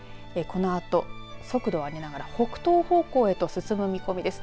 このあと速度を上げながら北東方向へと進む見込みです。